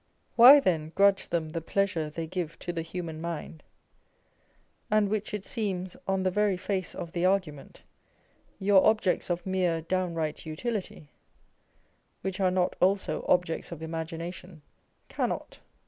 â€" why, then, grudge them the pleasure they give to the human mind, and which it seems, on the very face of the argument, your objects of mere downright Utility (which are not also objects of Imagination) cannot